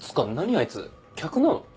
あいつ客なの？